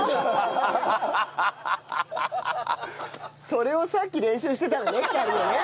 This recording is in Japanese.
それをさっき練習してたのね２人でね。